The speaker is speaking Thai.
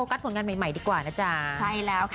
ก็เป็นไปได้ไม่รู้ครับ